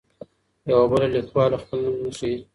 یوه بله لیکواله خپل نوم نه ښيي.